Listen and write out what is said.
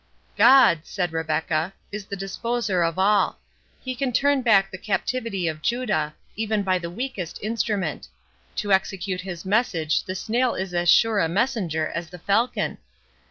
"God," said Rebecca, "is the disposer of all. He can turn back the captivity of Judah, even by the weakest instrument. To execute his message the snail is as sure a messenger as the falcon.